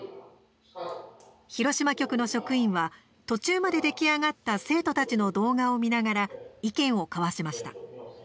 広島局の職員は途中まで出来上がった生徒たちの動画を見ながら意見を交わしました。